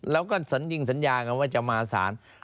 แล้วก็สัญญิงสัญญากันว่าจะมาสาร